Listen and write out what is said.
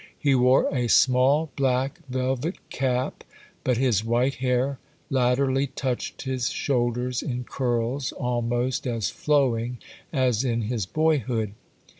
He wore a small black velvet cap, but his white hair latterly touched his shoulders in curls almost as flowing as in his boyhood.